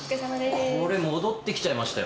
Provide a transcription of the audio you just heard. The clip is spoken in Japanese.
これ戻って来ちゃいましたよ。